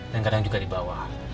dan kadang juga di bawah